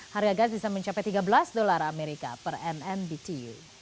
harga gas bisa mencapai tiga belas dolar amerika per nmbtu